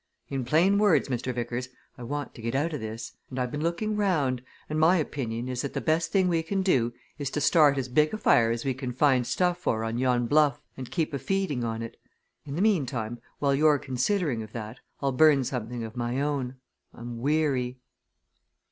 In plain words, Mr. Vickers, I want to get out o' this. And I've been looking round, and my opinion is that the best thing we can do is to start as big a fire as we can find stuff for on yon bluff and keep a feeding on it. In the meantime, while you're considering of that, I'll burn something of my own I'm weary."